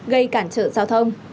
gây cản trợ giao thông